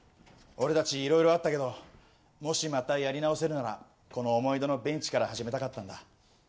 俺たち色々あったけどもしまたやり直せるならこの思い出のベンチから始めたかったんだ。